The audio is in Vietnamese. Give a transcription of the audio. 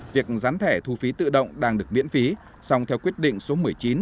việc gián thẻ thu phí tự động đang được miễn phí song theo quyết định số một mươi chín